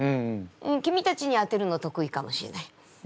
君たちに当てるの得意かもしれない。